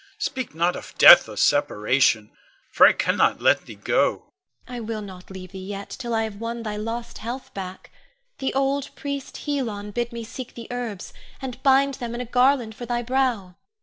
Speak not of death or separation, for I cannot let thee go. Ione. I will not leave thee yet, till I have won thy lost health back. The old priest, Helon, bid me seek the herbs, and bind them in a garland for thy brow.